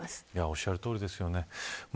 おっしゃるとおりです。